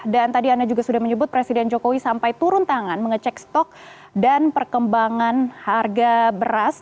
dan tadi anda juga sudah menyebut presiden jokowi sampai turun tangan mengecek stok dan perkembangan harga beras